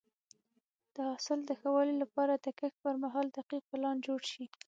د حاصل د ښه والي لپاره د کښت پر مهال دقیق پلان جوړ شي.